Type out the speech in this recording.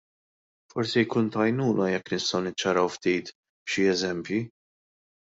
Forsi jkun ta' għajnuna jekk nistgħu niċċaraw ftit b'xi eżempji.